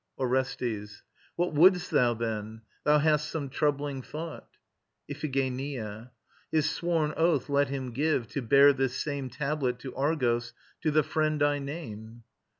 ORESTES. What wouldst thou, then? Thou hast some troubling thought. IPHIGENIA. His sworn oath let him give, to bear this same Tablet to Argos, to the friend I name.